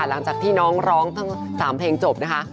หลังจากที่น้องร้องทั้ง๓เพลงจบนะคะ